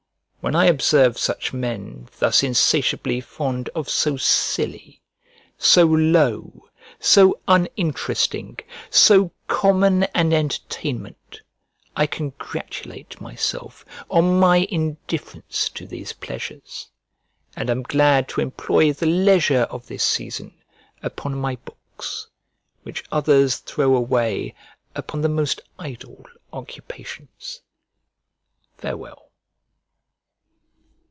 When I observe such men thus insatiably fond of so silly, so low, so uninteresting, so common an entertainment, I congratulate myself on my indifference to these pleasures: and am glad to employ the leisure of this season upon my books, which others throw away upon the most idle occupations. Farewell.